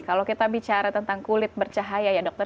kalau kita bicara tentang kulit bercahaya ya dokter